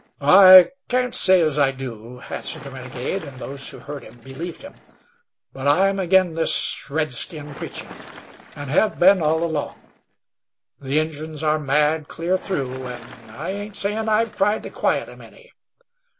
"I can't say as I do," answered the renegade, and those who heard him believed him. "But I'm agin this redskin preachin', an' hev been all along. The injuns are mad clear through, an' I ain't sayin' I've tried to quiet 'em any.